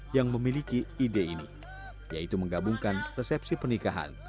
yang memiliki ide ini yaitu menggabungkan resepsi pernikahan